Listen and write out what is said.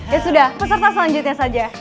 ya sudah peserta selanjutnya saja